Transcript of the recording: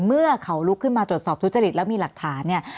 เมื่อเขาลุกขึ้นมาตรวจสอบทุจริตแล้วมีหลักฐานเนี่ย